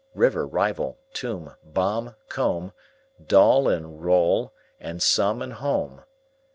River, rival; tomb, bomb, comb; Doll and roll and some and home.